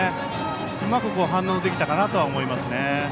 うまく反応できたかなと思います。